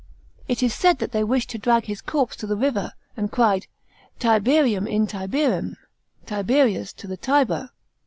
It is said that they wished to drag his corpse to the river, and cried Tiberium in Tiberim, " Tiberius to the Tiber